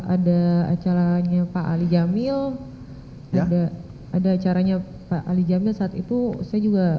ada acaranya pak ali jamil ada acaranya pak ali jamil saat itu saya juga